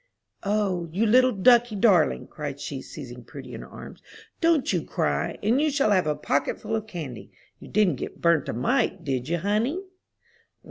"O, you little ducky darling," cried she, seizing Prudy in her arms, "don't you cry, and you shall have a pocket full of candy. You didn't get burnt a mite, did you, honey?"